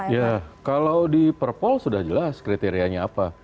ya kalau di perpol sudah jelas kriterianya apa